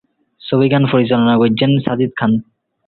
ছবিটি পরিচালনা করেছেন সাজিদ খান।